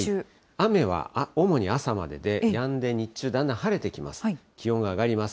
雨は主に朝までで、やんで日中、だんだん晴れてきます。